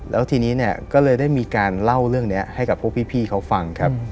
แล้วทีนี้เนี่ยก็เลยได้มีการเล่าเรื่องนี้ให้กับพวกพี่เขาฟังครับ